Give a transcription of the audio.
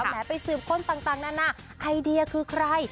แหมไปสืบค้นต่างนานาไอเดียคือใคร